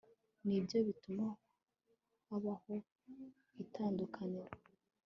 Nibyo bituma habaho itandukaniro